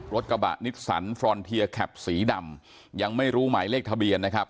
กระบะนิสสันฟรอนเทียแคปสีดำยังไม่รู้หมายเลขทะเบียนนะครับ